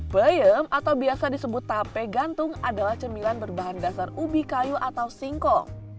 peyem atau biasa disebut tape gantung adalah cemilan berbahan dasar ubi kayu atau singkong